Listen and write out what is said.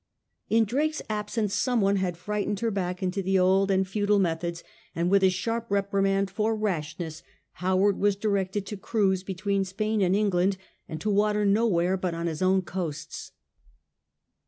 In Drake's absence some one had frightened her back into the old and futile methods; and with a sharp reprimand for rashness, Howard was directed to cruise between Spain and England, and to water nowhere but on his own coasts.